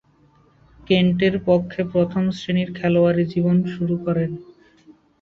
কেন্টের পক্ষে প্রথম-শ্রেণীর খেলোয়াড়ী জীবন শুরু করেন।